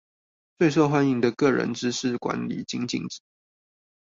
最受歡迎的個人知識管理精進指南